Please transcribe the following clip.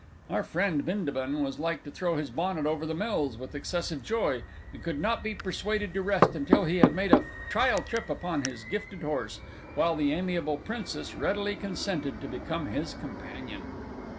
Our friend Bindabun was like to throw his bonnet over the mills with excessive joy, and could not be persuaded to rest until he had made a trial trip on his gifted horse, while the amiable Princess readily consented to become his companion.